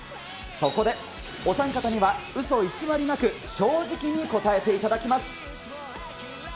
そこで、お三方には、嘘いつわりなく正直に答えていただきます。